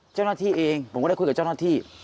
เจ้าหน้าที่เองผมก็ได้คุยกับเจ้าหน้าที่